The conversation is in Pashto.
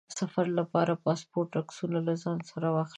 د سفر لپاره د پاسپورټ عکسونه له ځان سره واخلئ.